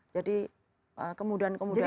jadi kemudahan kemudahan pembayaran